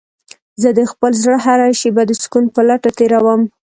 زه د خپل زړه هره شېبه د سکون په لټه تېرووم.